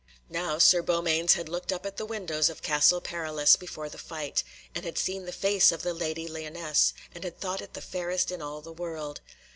Now Sir Beaumains had looked up at the windows of Castle Perilous before the fight, and had seen the face of the Lady Lyonesse, and had thought it the fairest in all the world.